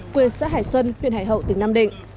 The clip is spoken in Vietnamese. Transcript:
quê xã hải xuân huyện hải hậu tỉnh nam định